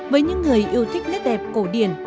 với những người yêu thích nét đẹp cổ điển